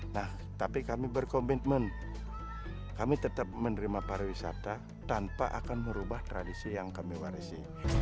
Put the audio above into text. nah tapi kami berkomitmen kami tetap menerima pariwisata tanpa akan merubah tradisi yang kami waresi